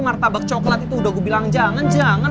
ngertabak coklat itu udah gua bilang jangan jangan